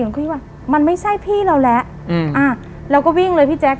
ก็คิดว่ามันไม่ใช่พี่เราแล้วเราก็วิ่งเลยพี่แจ๊ค